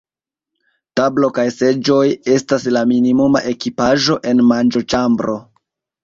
Tablo kaj seĝoj estas la minimuma ekipaĵo en manĝoĉambro.